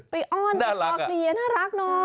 อ้อนไปรอเคลียร์น่ารักเนาะ